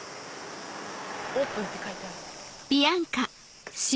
オープンって書いてある。